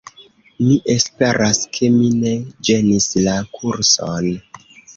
Mi esperas ke mi ne ĝenis la kurson.